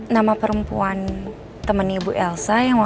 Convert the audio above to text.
nah berapa ini harga